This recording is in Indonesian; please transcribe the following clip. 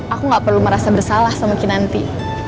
aku gak perlu merasa bersalah semakin nanti